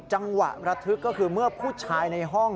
ระทึกก็คือเมื่อผู้ชายในห้อง